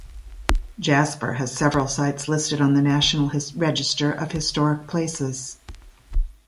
Jasper has several sites listed on the National Register of Historic Places.